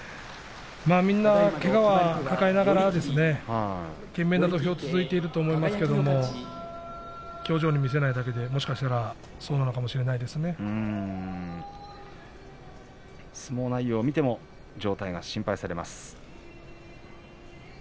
みんなけがは抱えながら懸命な土俵が続いていると思いますけど表情に見せないだけでもしかしたら相撲内容を見ても状態が心配されます。